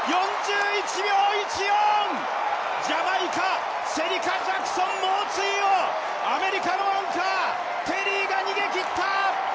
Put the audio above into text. ４１秒１４、ジャマイカ、シェリカ・ジャクソン猛追をアメリカのアンカー、テリーが逃げ切った。